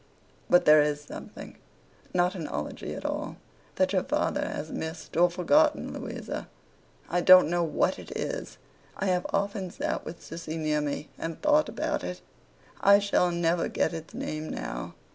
'But there is something—not an Ology at all—that your father has missed, or forgotten, Louisa. I don't know what it is. I have often sat with Sissy near me, and thought about it. I shall never get its name now.